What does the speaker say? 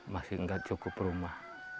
masih tidak cukup rumah